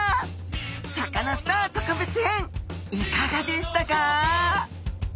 「サカナ★スター」特別編いかがでしたか？